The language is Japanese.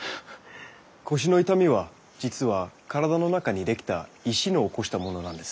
腰の痛みは実は体の中にできた石の起こしたものなんです。